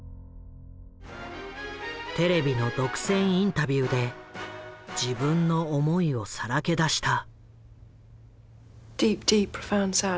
テレビの独占インタビューで自分の思いをさらけ出した。